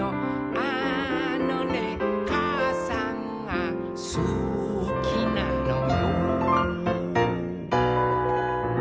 「あのねかあさんがすきなのよ」